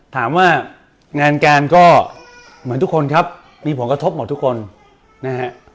ถามว่างานการก็เหมือนทุกคนครับมีผลกระทบหมดทุกคนนะฮะ